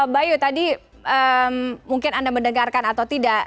bayu tadi mungkin anda mendengarkan atau tidak